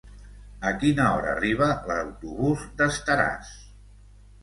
A quina hora arriba l'autobús d'Estaràs?